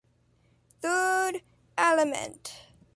Third element.